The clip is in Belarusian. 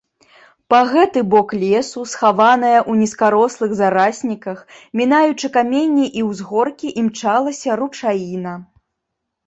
Па гэты бок лесу, схаваная ў нізкарослых зарасніках, мінаючы каменні і ўзгоркі, імчалася ручаіна.